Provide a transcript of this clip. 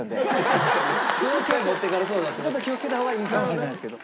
ちょっと気をつけた方がいいかもしれないですけど。